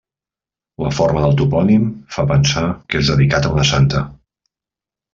La forma del topònim fa pensar que és dedicat a una santa.